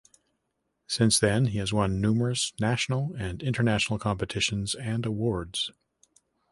Since then he has won numerous national and international competitions and awards.